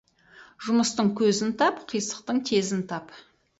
Жұмыстың көзін тап, қисықтың тезін тап.